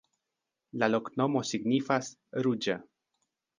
La loknomo signifas: ruĝa.